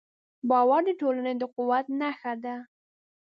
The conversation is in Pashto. باور د ټولنې د قوت نښه ده.